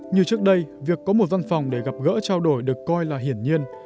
như trước đây việc có một văn phòng để gặp gỡ trao đổi được coi là hiển nhiên